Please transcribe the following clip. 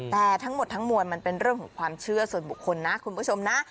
แต่ทั้งหมดทั้งมวลมันเป็นเรื่องของความเชื่อส่วนบุคคลนะคุณผู้ชมนะ